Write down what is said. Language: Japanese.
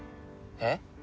えっ？